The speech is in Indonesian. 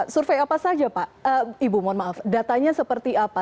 survei apa saja pak ibu mohon maaf datanya seperti apa